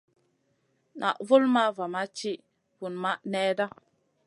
Naʼ vulmaʼ va ma ti vunmaʼ nèhda.